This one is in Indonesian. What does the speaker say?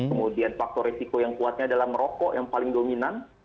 kemudian faktor risiko yang kuatnya adalah merokok yang paling dominan